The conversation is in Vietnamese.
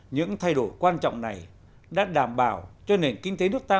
những thay đổi quan trọng này đã đảm bảo cho nền kinh tế nước ta